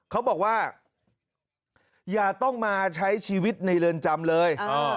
เขาบอกว่าอย่าต้องมาใช้ชีวิตในเรือนจำเลย